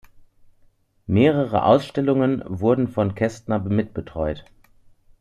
Mehrere Ausstellungen wurden von Kästner mitbetreut.